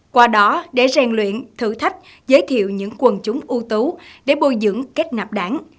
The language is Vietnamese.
qua đó để rèn luyện thử thách giới thiệu những quần chúng ưu tú để bồi dưỡng kết nạp đảng